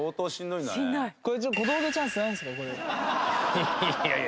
いやいやいや